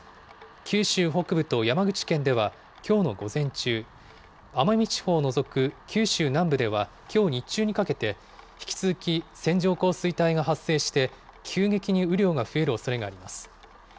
九州北部と山口県ではきょうの午前中、奄美地方を除く九州南部ではきょう日中にかけて、引き続き線状降水帯が発生して、急激に雨量が増えるおそれがあります。